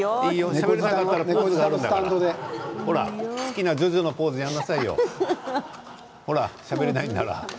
しゃべれなかったらポーズがあるのから好きな「ジョジョ」のポーズやりなさいよほらしゃべれないんだったら。